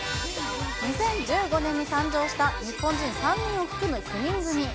２０１５年に誕生した日本人３人を含む９人組。